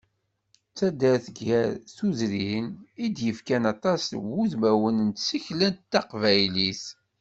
D taddart gar tudrin, i d-yefkan aṭas n wudmawen n tsekla taqbaylit.